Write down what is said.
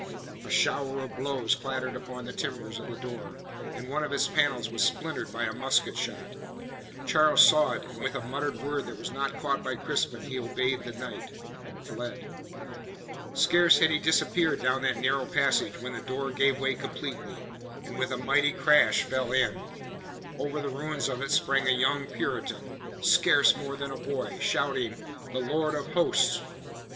A shower of blows clattered upon the timbers of the door, and one of its panels was splintered by a musket shot. Charles saw it, and with a muttered word that was not caught by Crispin, he obeyed the knight, and fled. Scarce had he disappeared down that narrow passage, when the door gave way completely and with a mighty crash fell in. Over the ruins of it sprang a young Puritan scarce more than a boy shouting: "The Lord of Hosts!"